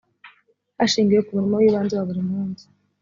hashingiwe ku murimo w ibanze wa buri munsi